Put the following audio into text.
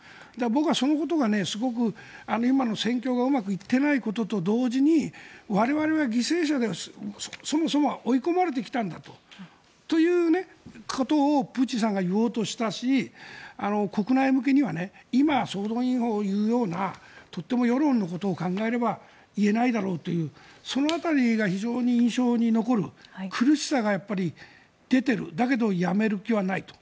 僕はそのことがすごく今の戦況がうまくいっていないことと同時に我々は犠牲者でそもそも追い込まれてきたんだということをプーチンさんが言おうとしたし国内向けには今、総動員法を言うようなとても世論のことを考えれば言えないだろうというその辺りが非常に印象に残る苦しさが出ているだけどやめる気はないと。